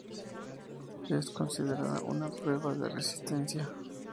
Es considerada una prueba de resistencia.